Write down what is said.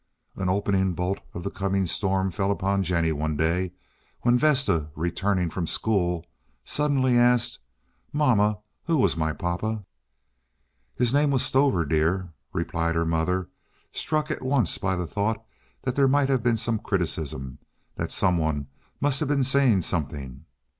An opening bolt of the coming storm fell upon Jennie one day when Vesta, returning from school, suddenly asked: "Mamma, who was my papa?" "His name was Stover, dear," replied her mother, struck at once by the thought that there might have been some criticism—that some one must have been saying something.